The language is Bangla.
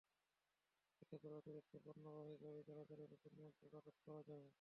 এতে করে অতিরিক্ত পণ্যবাহী গাড়ি চলাচলের ওপর নিয়ন্ত্রণ আরোপ করা যাবে।